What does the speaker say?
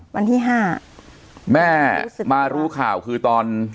วันที่ห้าแม่มารู้ข่าวคือตอน